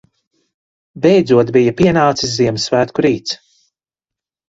Beidzot bija pienācis Ziemassvētku rīts.